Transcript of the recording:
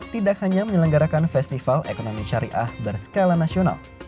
tidak hanya menyelenggarakan festival ekonomi syariah berskala nasional